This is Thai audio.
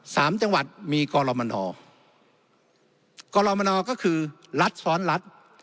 สามจังหวัดมีกรมนกรมนก็คือรัฐซ้อนรัฐ